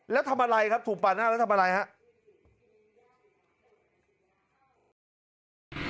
แล้วทำอะไรครับถูกปาดหน้าแล้วทำอะไรครับ